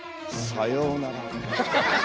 さようなら。